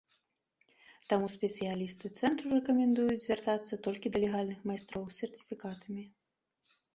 Таму спецыялісты цэнтру рэкамендуюць звяртацца толькі да легальных майстроў з сертыфікатамі.